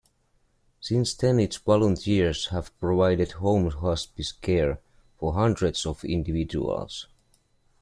Since then its volunteers have provided home hospice care for hundreds of individuals.